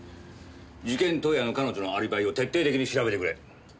事件当夜の彼女のアリバイを徹底的に調べてくれ。